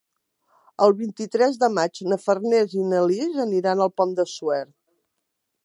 El vint-i-tres de maig na Farners i na Lis aniran al Pont de Suert.